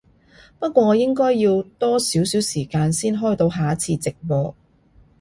不過我應該要多少少時間先開到下一次直播